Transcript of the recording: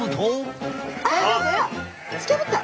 あ突き破った！